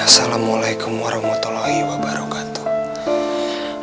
assalamualaikum warahmatullahi wabarakatuh